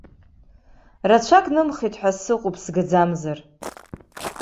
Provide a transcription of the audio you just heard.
Рацәак нымхеит ҳәа сыҟоуп, сгаӡамзар.